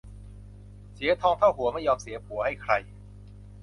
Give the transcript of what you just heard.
เสียทองเท่าหัวไม่ยอมเสียผัวให้ใคร